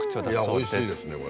おいしいですねこれ。